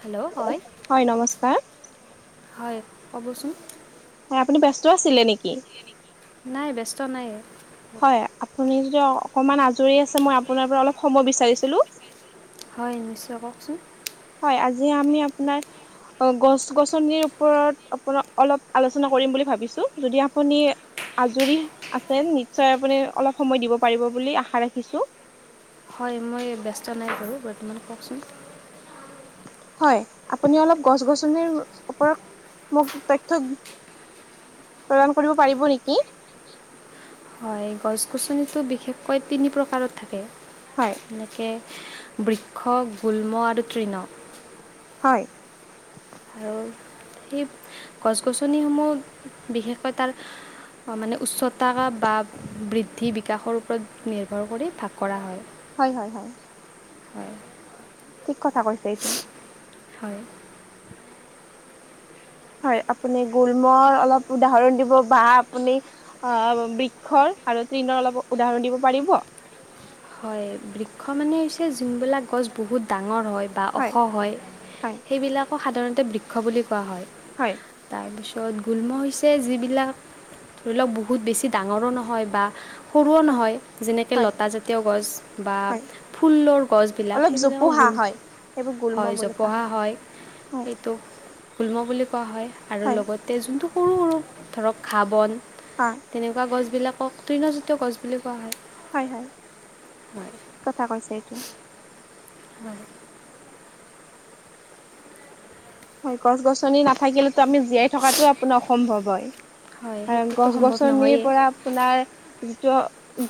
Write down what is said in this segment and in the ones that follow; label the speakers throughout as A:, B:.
A: Hello হয়। হয় ক'বচোন।
B: হয় আপুনি ব্যস্ত আছিলে নেকি?
A: নাই ব্যস্ত নাই।
B: হয়, আপুনি যদি অকমান আজৰি আছে মই আপোনাৰ পৰা অলপ সময় বিচাৰিছিলো।
A: হয় নিশ্চয় কওকচোন।
B: হয় আজি আমি আপোনাৰ। অ' গছ গছনিৰ ওপৰত আপোনা অলপ আলোচনা কৰিম বুলি ভাবিছো যদি আপুনি আজৰি আছে নিশ্চয় আপুনি অলপ সময় দিব পাৰিব বুলি আশা ৰাখিছো।
A: হয় মই ব্যস্ত নাই বাৰু বৰ্তমান কওকচোন।
B: হয় আপুনি অলপ গছ গছনিৰ ওপৰত মোক তথ্য। প্ৰদান কৰিব পাৰিব নেকি?
A: হয় গছ গছনিটো বিশেষকৈ তিনি প্ৰকাৰত থাকে।
B: হয়।
A: এনেকে বৃক্ষ, গুল্ম আৰু তৃণ।
B: হয়।
A: আৰু সেই গছ গছনিসমূহ বিশেষকৈ তাৰ। মানে উচ্চতা বা বৃদ্ধি বিকাশৰ ওপৰত নিৰ্ভৰ কৰি ভাগ কৰা হয়।
B: হয় হয় হয়।
A: হয়।
B: ঠিক কথা কৈছে এইটো।
A: হয়।
B: হয় আপুনি গোলমৰ অলপ উদাহৰণ দিব বা আপুনি। অ' বৃক্ষৰ আৰু তৃণৰ অলপ উদাহৰণ দিব পাৰিব?
A: হয় বৃক্ষ মানে হৈছে যোনবিলাক গছ বহুত ডাঙৰ হয়, বা ওখ হয়
B: হয়
A: সেইবিলাকো সাধাৰণতে বৃক্ষ বুলি কোৱা হয়।
B: হয়।
A: তাৰপিছত গুল্ম হৈছে যিবিলাক ধৰি লওক বহুত বেছি ডাঙৰো নহয় বা সৰুও
B: হয়
A: নহয় যেনেকে
B: হয়
A: লতা জাতীয় গছ বা
B: হয়
A: ফুলৰ গছ বিলাক
B: অলপ
A: সেইবিলাক
B: জোপোহা
A: গুল্ম।
B: হয় সেইবোৰ গুল্ম
A: হয়
B: বুলি কোৱা
A: জোপোহা হয়
B: হয়
A: সেইটো গুল্ম বুলি কোৱা হয় আৰু
B: হয়
A: লগতে। তেজ টো সৰু সৰু ধৰক ঘাঁ -বন
B: হয়
A: তেনেকুৱা গছবিলাকক তৃণজাতীয় গছ বুলি কোৱা হয়।
B: হয় হয়।
A: হয়।
B: ঠিক কথা কৈছে এইটো।
A: [unintelligible]
B: হয় গছ গছনি নাথাকিলেতো আমি জীয়াই থকাতটো আপোনাৰ অসম্ভৱ হয়।
A: হয়
B: কাৰণ
A: সেইটোতো
B: গছ
A: সম্ভৱ
B: গছনি
A: নহয়েই
B: পৰা- আপোনাৰ যিটো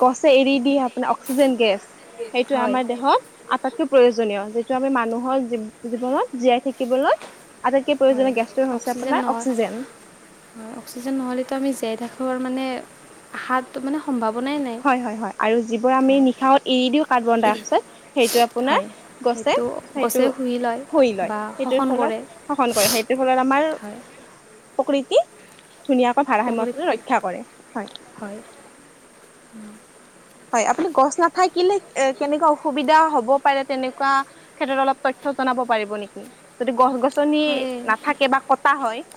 B: গছে এৰি দি আপোনাৰ অক্সিজেন গেছ- সেইটোয়ে
A: হয়
B: আমাৰ দেহত। আটাইতকৈ প্ৰয়োজনীয়, যিটো আমি মানুহৰ জীৱনত জীয়াই থাকিবলৈ- আটাইতকৈ
A: হয়
B: প্ৰয়োজনীয় গেছটোৱে হৈছে
A: অক্সিজেন
B: আপোনাৰ
A: নহয়
B: অক্সিজেন।
A: অক্সিজেন নহলেতো আমি জীয়াই থাকিব মানে হাটো মানে- সম্ভাৱনাই নাই।
B: হয় হয় হয় আৰু যিবোৰ আমি
A: হয়
B: নিশাহত এৰি দিওঁ কাৰ্বন ডাই অক্সাইড। সেইটো আপোনাৰ
A: হয়
B: গছে
A: গছে
B: সেইটো
A: শুহি লয়
B: শুই লয়,
A: বা
B: সেইটোৰ
A: শোষণ কৰে
B: ফলত- শাসন কৰে সেইটোৰ ফলত আমাৰ-
A: হয়
B: প্ৰকৃতি ধুনীয়াকৈ
A: পুখুৰীত
B: ভাৰাসাম্যটো ৰক্ষা কৰে হয়।
A: হয়, উম
B: হয় আপুনি গছ নাথাকাকিলে কেনেকুৱা অসুবিধা হব পাৰে, তেনেকুৱা- ক্ষেত্ৰত অলপ তথ্য জনাব পাৰিব নেকি, যদি গছ গছনি
A: হয়
B: নাথাকে বা কটা হয়-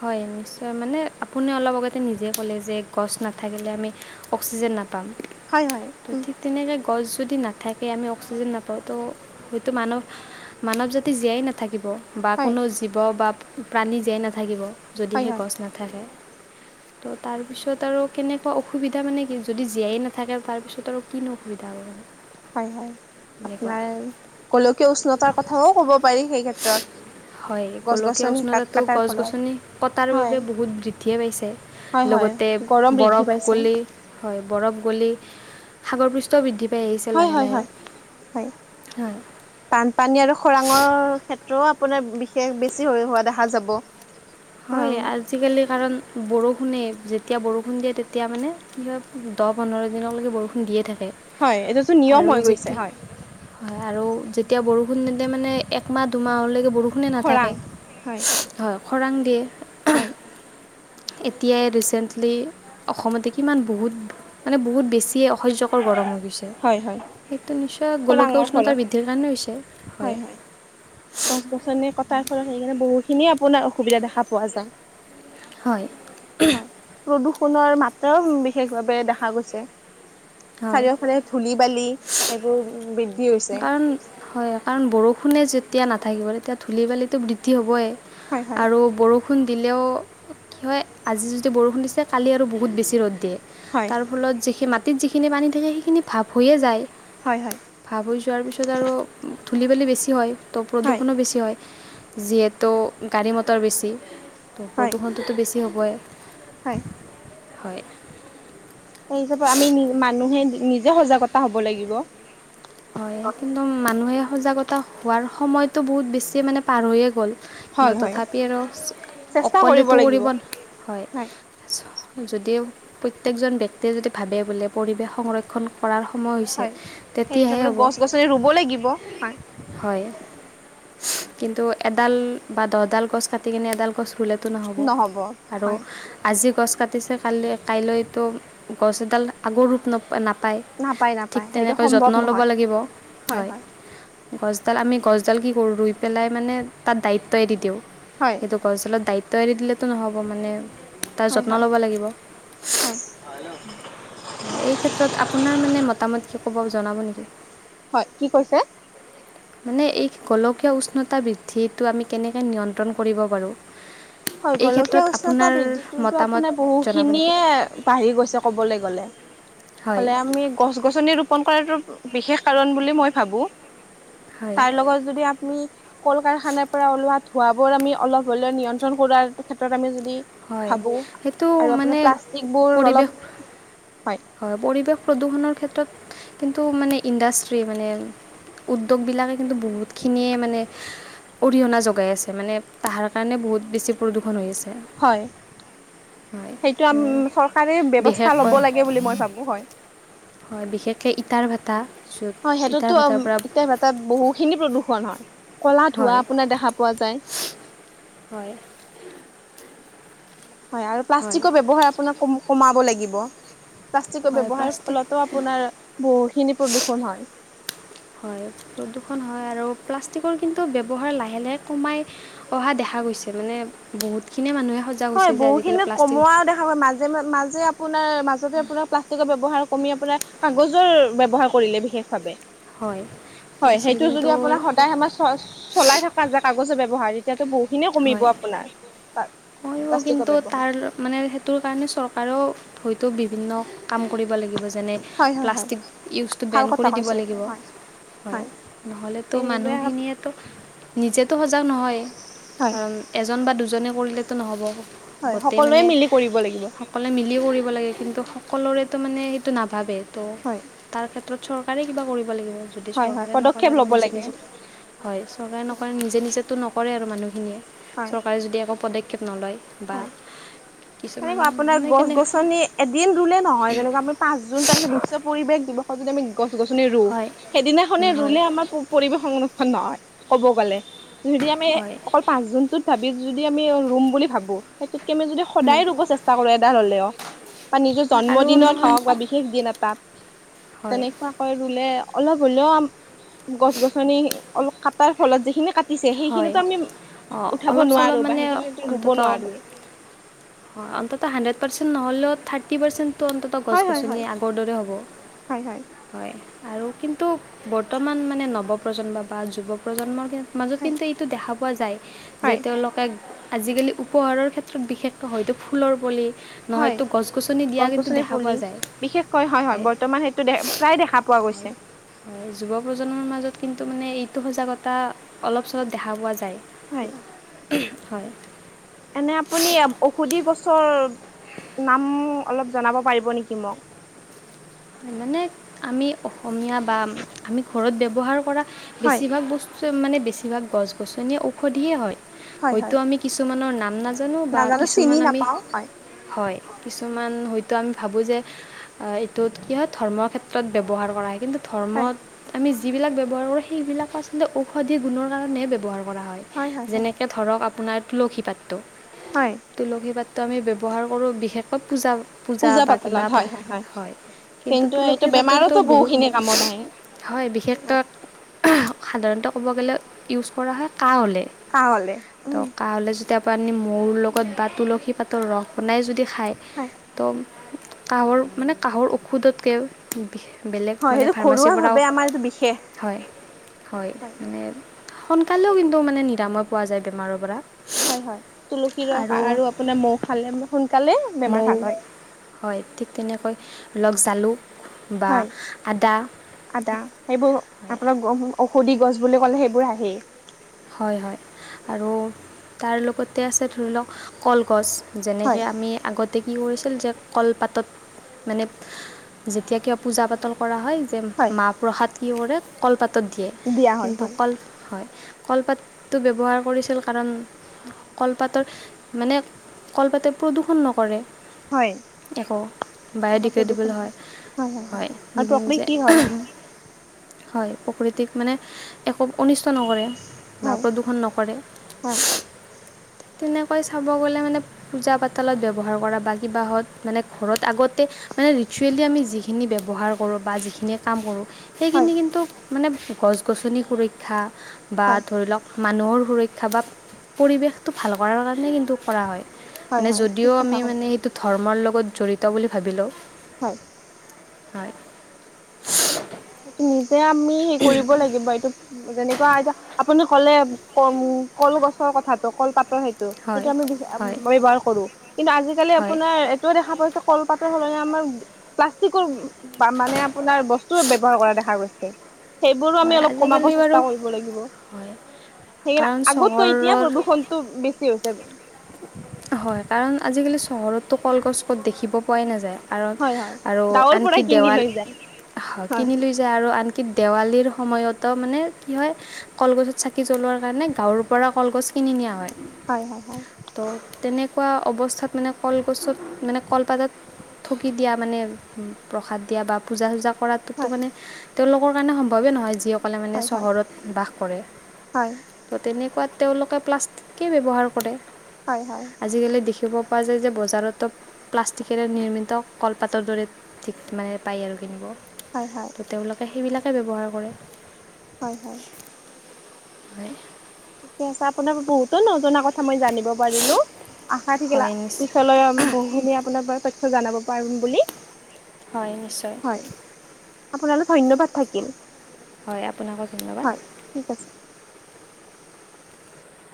A: হয় নিশ্চয় মানে আপুনি অলপ আগতে নিজে ক'লে যে গছ নাথাকিলে আমি- অক্সিজেন নাপাম।
B: হয় হয়
A: তো
B: উম
A: ঠিক তেনেকৈ গছ যদি নাথাকে আমি অক্সিজেন নাপাওঁ ত গোটেই মানুহ- মানৱ জাতি জীয়াই নাথাকিব। বা
B: হয়
A: কোনো জীৱ বা প্ৰাণী জীয়াই নাথাকিব যদি
B: হয়
A: সেই
B: হয়
A: গছ নাথাকে। ত' তাৰপিছত আৰু কেনেকুৱা অসুবিধা মানে কি যদি জীয়াই নাথাকে তাৰপিছত আৰু- কিনো অসুবিধা হব।
B: হয় হয়
A: এনেকুৱা
B: আপোনাৰ গোলকীয় উষ্ণতাৰ কথাও কব পাৰি সেই ক্ষেত্ৰত।
A: হয়
B: গছ
A: গোলকীয়
B: গছনি কাট
A: উষ্ণনটাটো গল।
B: কটাৰ
A: গছ
B: ফলত
A: গছনি কটাৰ
B: হয়
A: বাবে বহুত বৃদ্ধিয়ে পাইছে
B: হয় হয়
A: লগতে
B: গৰম বৃদ্ধি
A: বৰফ
B: পাইছে
A: গলি- হয় বৰফ গলি- সাগৰ পৃষ্ঠও বৃদ্ধি পাই আহিছে
B: হয়
A: লাহে
B: হয়
A: লাহে,
B: হয় হয়
A: হয়-
B: বানপানী আৰু খৰাংৰ ক্ষেত্ৰও আপোনাৰ বিশেষ বেছি হৈ হোৱা দেখা যাব।
A: হয় আজিকালি কাৰণ বৰষুণে যেতিয়া বৰষুণ দিয়ে তেতিয়া মানে কি হয়। দহ পোন্ধৰ দিনলৈকে বৰষুণ দিয়ে থাকে
B: হয় এইটোতো নিয়ম
A: আৰু
B: হৈ গৈছে
A: যেতিয়া।
B: হয়
A: হয় আৰু যেতিয়া বৰষুণ তেতিয়া মানে একমাহ দুমাহলৈকে বৰষুণ- কোনে
B: খৰাং
A: নাথাকে, হয় খৰাং দিয়ে।
B: হয়
A: এতিয়াই ৰিচেণ্টলি অসমতে কিমান বহুত- মানে বহুত বেছিয়ে অসহ্যকৰ গৰম হৈ গৈছে,
B: হয় হয়
A: সেইটো নিশ্চয় গোলকীয়
B: খৰাঙৰ
A: উষ্ণতাৰ
B: ফলত
A: বি- সেইটো কাৰণে হৈছে।
B: হয় হয় গছ গছনি কটাৰ ফলত সেইকাৰণে বহুখিনি আপোনাৰ অসুবিধা দেখা পোৱা যায়।
A: হয়।
B: হয় প্ৰদূষণৰ মাত্ৰাও বিশেষ ভাৱে দেখা গৈছে।
A: হয়
B: চাৰিওফালে ধূলি বালি সেইবোৰ বৃদ্ধি হৈছে।
A: কাৰণ হয়, কাৰণ বৰষুণে যেতিয়া নাথাকিব তেতিয়া ধূলি বালিতো বৃদ্ধি হ'বই।
B: হয় হয়।
A: আৰু বৰ- বৰষুণ দিলেও কি হয় আজি যদি বৰষুণ দিছে কালি আৰু বহুত বেছি ৰ'দ দিয়ে।
B: হয়
A: তাৰ ফলত যিখিন মাটিত যিখিনি পানী থাকে সেইখিনি ভাৱ হৈয়ে যায়।
B: হয় হয়।
A: ভাব যোৱাৰ পিছত আৰু ধূলি বেলি বেছি হয় ত'
B: হয়
A: প্ৰদূষণো বেছি হয়। যিহেতু গাড়ী মটৰ বেছি ত
B: হয়
A: প্ৰদূষণটোতো বেছি হ'বই।
B: হয়।
A: হয়।
B: সেই হিচাপে আমি নি মানুহে নিজে সজাগতা হব লাগিব
A: হয় কিন্তু মানুহে সজাগতা হোৱাৰ সময়টো বহুত বেছি মানে পাৰ হৈয়ে গ'ল কিন্তু
B: হল হয়।
A: তথাপি আৰু
B: চেষ্টা
A: অকলেতো
B: লাগিব।
A: কৰিব হয় যদিও প্ৰত্যেকজন ব্যক্তিয়ে যদি ভাবে বোলে পৰিৱেশ সংৰক্ষণ কৰাৰ সময় হৈছে
B: হয় সেই
A: তেতিয়াহে
B: হিচাপে
A: হ'ব
B: গছ গছনি ৰুব লাগিব
A: হয় কিন্তু এডাল বা দহডাল গছ কাটি কিনে এডাল গছ ৰুলে নহ'ব আৰু আজি গছ কাটিছে কাললৈ কাইলৈতো গছ এডাল আগৰ ৰূপ নাপায়
B: নাপায়
A: ঠিক
B: নাপায় সেইটো
A: তেনেকৈ
B: সম
A: যত্ন ল'ব লাগিব হয় গছডাল আমি গছডাল কি কৰো ৰুই পেলাই মানে তাত দায়িত্ব এৰি দিওঁ
B: হয়
A: সেইটো দৰাচলত দায়িত্ব এৰি দিলেটো নহ'ব মানে তাৰ
B: হয়
A: যত্ন
B: হয়
A: ল'ব লাগিব
B: হয়
A: হয় এই ক্ষেত্ৰত আপোনাৰ মানে মতামত কি ক'ব জনাব নেকি?
B: হয় কি কৈছে?
A: মানে এই গোলকীয় উষ্ণতা বৃদ্ধিটো আমি কেনেকে নিয়ন্ত্ৰণ কৰিব পাৰোঁ
B: হয়
A: এই
B: গোলকীয়া
A: ক্ষেত্ৰত
B: উষ্ণতা
A: আপোনাৰ
B: বৃদ্ধিটোতো
A: মতামত
B: আপোনাৰ বহু
A: জনাব নেকি
B: খিনিয়ে বাঢ়ি গৈছে ক'বলৈ গ'লে
A: হয়
B: হলে আমি গছ গছনি ৰোপন কৰাটো বিশেষ কাৰণ বুলি মই ভাবো
A: হয়
B: তাৰ লগত যদি আমি কল কাৰখানাৰ পৰা ওলোৱা ধোঁৱা বোৰ আমি অলপ হলে নিয়ন্ত্ৰণ কৰোৱাৰ ক্ষেত্ৰত আমি যদি
A: হয়
B: ভাবো
A: সেইটো
B: আৰু
A: মানে
B: আপোনাৰ প্লাষ্টিকবোৰ
A: পৰিৱেশ
B: অলপ
A: হয় পৰিৱেশ প্ৰদূষণৰ ক্ষেত্ৰত কিন্তু মানে ইণ্ডাষ্ট্ৰি মানে উদ্যোগবিলাকে কিন্তু বহুতখিনিয়ে মানে অৰিহণা জোগাই আছে মানে তাহাৰ কাৰণে বহুত বেছি প্ৰদূষণ হৈ আছে।
B: হয়।
A: হয় হয়
B: চৰকাৰী ব্যৱস্থা ল'ব লাগে বুলি মই ভাবো, হয।
A: হয় বিশেষকৈ ইটাৰ ভেটা য'ত ইটাৰ ভাটাৰ পৰা
B: তাত বহুখিনি প্ৰদূষণ হয় ক'লা ধোৱা
A: হয়
B: আপোনাৰ দেখা পোৱা যায়
A: হয়
B: হয় আৰু
A: হয়
B: প্লাষ্টিকৰ ব্যৱহাৰ কমাব লাগিব প্লাষ্টিকৰ
A: হয়
B: ব্যৱহাৰৰ
A: প্লাষ্টিক
B: ফলতো আপোনাৰ বহুখিনি প্ৰদূষণ হয়
A: হয় প্ৰদূষণ হয় আৰু প্লাষ্টিকৰ কিন্তু ব্যৱহাৰ লাহে লাহে কমাই অহা দেখা গৈছে মানে বহুত খিনি মানুহে সজাগ
B: হয়
A: হৈছে যে আজিকালি
B: বহুখিনি কমোৱা
A: প্লাষ্টিক
B: দেখা মাজে মাজে আপোনাৰ মাজতে আপোনাৰ প্লাষ্টিকৰ ব্যৱহাৰ কমি আপোনাৰ কাগজৰ ব্যৱহাৰ কৰিলে বিশেষভাৱে।
A: হয়
B: হয়
A: কৰিছিল
B: সেইটো
A: কিন্তু
B: যদি আপোনাৰ সদায় আমাচ চ চলাই থকা যে কাগজৰ ব্যৱহাৰ এতিয়াতো বহুখিনিয়ে কমিব
A: হয়
B: আপোনাৰ।
A: কৰিব
B: প্লাষ্টিকৰ
A: কিন্তু
B: ব্যৱহাৰ
A: তাৰ মানে সেইটোৰ কাৰণে চৰকাৰেও হয়তো বিভিন্ন কাম কৰিব লাগিব। যেনে
B: হয় হয় হয়
A: প্লাষ্টিক ইউজটো
B: ভাল
A: বেন
B: কথা
A: কৰি দিব
B: কৈছে এইটো
A: লাগিব।
B: হয়
A: হয় নহ'লেতো
B: সেইবাবে
A: মানুহখিনিয়েতো নিজেতো সজাগ নহয়
B: হয়।
A: কাৰণ এজন বা দুজনে কৰিলে নহ'ব
B: হয়
A: গোটেই
B: সকলোৱে
A: মানে
B: মিলি কৰিব লাগিব।
A: সকলে মিলি কৰিব লাগে কিন্তু সকলোৰেতো মানে সেইটো নাভাবে ত
B: হয়।
A: তাৰ ক্ষেত্ৰত চৰকাৰে কিবা কৰিব লাগিব যদি
B: হয় হয়
A: চৰকাৰে নকৰে
B: পদক্ষেপ
A: আৰু
B: ল'ব
A: নিজে
B: লাগে।
A: নিজে। হয় চৰকাৰে নকৰে নিজে নিজেতো নকৰে আৰু মানুহখিনিয়ে
B: হয়।
A: চৰকাৰে যদি একো পদক্ষেপ নলয়। বা কিছুমান
B: সেনেকুৱা আপোনাৰ
A: মানে
B: গছ
A: কেনে
B: গছনি এদিন ৰুলে নহয়, যেনেকুৱা আপুনি- পাঁচ জুন তাৰিত বিশ্ব পৰিৱেশ দিৱসত যদি আমি গছ গছনি ৰুওঁ,
A: হয়
B: সেইদিনাখনে
A: হয়
B: ৰুলে আমাৰ- পৰিবেশ সংৰক্ষন নহয় ক'ব গ'লে যদি আমি
A: হয়
B: অকল পাঁচ জুনটোত- ভাবি যদি আমি ৰুম বুলি ভাবো সেইটোতকে আমি যদি- সদায় ৰুব চেষ্টা কৰো এডাল হ'লেও, বা নিজৰ জন্ম
A: আৰু
B: দিনত
A: নহয়
B: হওঁক বা বিশেষ দিন এটাত-
A: [unintelligible]
B: তেনেকুৱাকৈ ৰুলে অলপ হলেও গছ গছনি অলপ কাটাৰ ফলত যিখিনি কা- দিছে
A: হয়
B: সেইখিনিতো আমি
A: অঁ
B: উঠাব
A: অলপ চলপ
B: নোৱাৰো বা
A: মানে
B: সেইখিনিতো ৰুব
A: অন্তত
B: নোৱাৰোৱেই।
A: হয় অন্তত হাণ্ড্ৰেড পাৰ্চেন্ট নহলেও থাৰ্টি পাৰ্চেণ্ট- টো অন্তত গছ
B: হয় হয়
A: গছনি
B: হয়
A: আগৰ দৰে হ'ব। হয়, আৰু কিন্তু বৰ্তমান মানে নৱ প্ৰজন্ম বা যুৱ প্ৰজন্মৰ- মাজত
B: হয়
A: কিন্তু এইটো দেখা পোৱা যায়, যে
B: হয়
A: তেওঁলোকে- আজিকালি উপহাৰৰ ক্ষেত্ৰত বিশেষকে হয়তো ফুলৰ পুলি নহয়তো গছ গছনি- দিয়া
B: গছ
A: কিন্তু
B: গছনি
A: দেখা
B: পুলি
A: পোৱা যায়
B: বিশেষকৈ হয় হয় বৰ্তমান সেইটো দে প্ৰায় দেখা পোৱা গৈছে।
A: হয় যুৱ প্ৰজন্মৰ মাজত কিন্তু মানে এইটো সজাগতা অলপ চলপ দেখা পোৱা
B: হয়
A: যায়। হয়।
B: এনে আপুনি ঔষধি গছৰ নাম অলপ জনাব পাৰিব নেকি মোক।
A: মানে আমি অসমীয়া বা আমি ঘৰত ব্যৱহাৰ কৰা
B: হয়
A: বেছিভাগ বস্তু- মানে বেছিভাগ গছ গছনি ঔষধিয়ে হয়,
B: হয়
A: হয়তো
B: হয়
A: আমি কিছুমানৰ নাম নাজানো- জানো বা
B: নাজানো
A: কিছুমান
B: চিনি
A: আমি-
B: নাপাও হয়
A: হয়, কিছুমান হয়তো আমি ভাবো যে- তোত কি হয় ধৰ্মৰ ক্ষেত্ৰত ব্যৱহাৰ কৰা হয় কিন্তু
B: হয়
A: ধৰ্মত আমি- যিবিলাক ব্যৱহাৰ কৰোঁ সেইবিলাকো আচলতে ঔষধি গুণৰ কাৰণেহে ব্যৱহাৰ কৰা হয়, যেনেকৈ- কে ধৰক আপোনাৰ তুলসী পাতটো।
B: হয়।
A: তুলসী পাতটো আমি ব্যৱহাৰ কৰো বিশেষকৈ পূজা - পূজা বা কিবা হয়। কিন্তু
B: এইটো
A: তুলসীৰ পাততো
B: বেমাৰতো
A: বহুত
B: বহুখিনি কামত আহে
A: হয় বিশেষত সাধাৰণতে ক'ব গ'লে ইউজ কৰা হয় কাহ হ'লে।
B: কাহলে উম
A: ত' কাহ হলে যেতিয়া আপুনি মৌৰ লগত বা তুলসী পাত- ত ৰস বনাই যদি খাই,
B: হয়
A: ত' কাহৰ মানে কাহৰ ঔষধতকে- বেলেগ
B: হয়
A: মানে
B: সেইটো ঘৰুৱা
A: ফাৰ্মাচীৰ
B: ভাৱে
A: পৰাও-
B: আমাৰ এইটো বিশেষ
A: হয়, হয়, মানে সোনকালেও কিন্তু মানে নিৰাময় পোৱা যায় বেমাৰৰ পৰা।
B: হয় হয়, তুলসী ৰস আৰু আপোনাৰ মৌ খালে সোনকালে বেমাৰ
A: মৌ
B: ভাল হয়।
A: হয়, ঠিক তেনেকৈ ধৰি লওক জালুক বা
B: হয়
A: আদা।
B: আদা
A: ঠিক
B: সেইবোৰ আপোনাৰ ঔষধি গছ বুলি ক'লে সেইবোৰ আহেই।
A: হয় - হয় আৰু তাৰ লগতে আছে ধৰি লওক কলগছ-
B: হয়
A: যেনেকৈ আমি আগত- তাতে কি কৰিছিল যে কলপাতত মানে যেতিয়া কিবা পূজা পাতল কৰা হয়। যে
B: হয়
A: মাহ প্ৰসাদ কি কৰে কলপাতত দিয়ে,
B: দিয়া হয়
A: কিন্তু
B: হয়
A: কল হয়। কলপাতটো ব্যৱহাৰ কৰিছিল কাৰণ কলপাতৰ মানে কলপাতে প্ৰদূষণ নকৰে।
B: হয়
A: একো বায়ে
B: আকৌ প্ৰদূষণ
A: ডগ্ৰেডিবলৈ হয়। হয়
B: আৰু
A: নিজে নিজে।
B: প্ৰকৃতি হয় উম,
A: হয় প্ৰকৃতিক মানে একো অনিষ্ট নকৰে। বা
B: হয়
A: প্ৰদূৰ্ষন নকৰে
B: হয়
A: তেনেকৈ চাব গলে মানে পূজা পাতালত ব্যৱহাৰ কৰা বা কিবা হত মানে ঘৰত আগতে মানে ৰিচুৱেলি আমি যিখিনি ব্যৱহাৰ কৰো বা যিখিনি কাম কৰো
B: হয়
A: সেইখিনি কিন্তু মানে গছ গছনি সুৰক্ষা বা
B: হয়
A: ধৰি লওক মানুহৰ সুৰক্ষা বা পৰিৱেশটো ভাল কৰাৰ কাৰণে কিন্তু কৰা হয়।
B: হয়
A: মানে
B: হয়
A: যদিও
B: ঠিক কথা
A: আমি মানে
B: কৈছে
A: সেইটো ধৰ্মৰ লগত জড়িত বুলি ভাবি লও।
B: হয়।
A: হয়।
B: এইটো নিজে আমি হে কৰিব লাগিব এইটো। যেনেকুৱা এতিয়া আপুনি ক'লে ক কলগছৰ কথাটো কল পাতৰ সেত- সেইটো
A: হয়
B: আমি
A: হয়
B: ব্যৱহাৰ কৰো কিন্তু আজিকালি
A: হয়
B: আপোনাৰ এট- ত দেখা পাইছো কলপাতৰ সলনি আমাৰ প্লাষ্টিকৰ পা মানে আপোনাৰ বস্তু ব্যৱ- বৰ কৰা দেখা গৈছে। সেইবোৰো আমি
A: হয়
B: অলপ কমাব
A: আজিকালি বাৰু
B: চেষ্টা কৰিব লাগিব।
A: হয়
B: সেইকাৰণে
A: কাৰণ
B: আগতকৈ এতিয়া
A: চহৰত
B: প্ৰদূষণ টো বেছি হৈছে।
A: হয় কাৰণ আজিকালি চহৰতটো কলগছ ক'ত দেখিব পোৱাই নাযায়। আৰত
B: হয়
A: আৰু
B: গাঁৱৰ পৰাই
A: আনকি
B: কিনি
A: দেৱাল
B: লৈ যায় হয়
A: কিনি লৈজ যে আৰু আনকি দেৱালীৰ সময়তো মানে কি হয় কলগছত চাকি জ্বলোৱাৰ কাৰণে গাঁৱৰ পৰা কলগছ কিনি নিয়া হয়।
B: হয় হয় হয়।
A: তো তেনেকুৱা অৱস্থাত মানে কলগছত মানে কলপাতত থকি দিয়া মানে প্ৰসাদ দিয়া বা পূজা চুজা কৰাতো মানে তেওঁলোকৰ কাৰণে সম্ভৱে নহয় যি সক- কলে মানে
B: হয় হয়
A: চহৰত বাস কৰে।
B: হয় হয়
A: ত তেনেকুৱাত তেওঁলোকে প্লাষ্টিকেই ব্যৱহাৰ কৰে।
B: হয় হয়।
A: আজিকালি দেখিব পোৱা যায় যে বজাৰত টপ- প্লাষ্টিকেৰে নিৰ্মিত কলপাতৰ দৰে ঠিক মানে পায় আৰু কিনিব।
B: হয় হয়।
A: তো তেওঁলোকে সেইবিলাকে ব্যৱহাৰ কৰে।
B: হয় হয়।
A: হয়।
B: ঠিকে আছে আপোনাৰ বহুতো নজনা কথা মই জানিব পাৰিলোঁ আশা থাকিলা
A: হয় নিশ্চয়
B: পিছলৈ বহুখিনি আপোনাক তথ্য জানাব পাৰোন বুলি।
A: হয় নিশ্চয়।
B: আপোনালে ধন্যবাদ থাকিল।
A: হয় আপোনাকো ধন্যবাদ।
B: হয় ঠিক আছে।